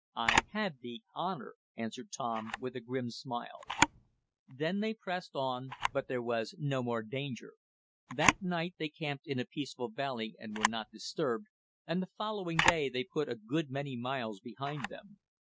"I had the HONOR," answered Tom, with a grim smile. Then they pressed on, but there was no more danger. That night they camped in a peaceful valley and were not disturbed, and the following day they put a good many miles behind them.